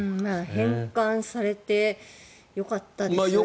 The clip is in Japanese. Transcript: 返還されてよかったですよね。